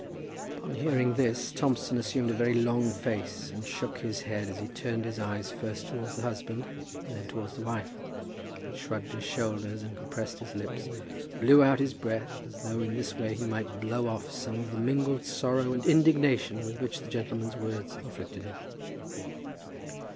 Upon hearing this, Thompson assumed a very long face, and shook his head as he turned his eyes first towards the husband and then towards the wife, and shrugged his shoulders, and compressing his lips, blew out his breath, as though in this way he might blow off some of the mingled sorrow and indignation with which the gentleman's words afflicted him.